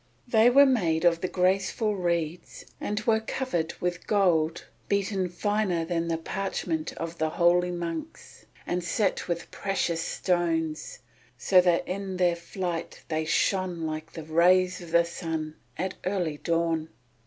They were made of the graceful reeds and were covered with gold beaten finer than the parchment of the holy monks, and set with precious stones so that in their flight they shone like the rays of the sun at early dawn.